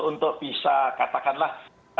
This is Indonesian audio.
untuk bisa katakanlah